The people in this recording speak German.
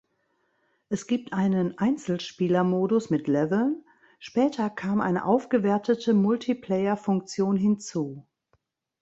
Es gibt einen Einzelspielermodus mit Leveln, später kam eine aufgewertete Multiplayer-Funktion hinzu.